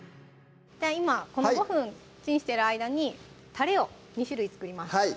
今この５分チンしてる間にたれを２種類作ります